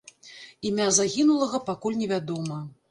Імя загінулага пакуль невядома.